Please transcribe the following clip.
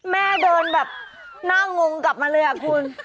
แม่เดินแบบหน้างงกลับมาเลยอะคุณ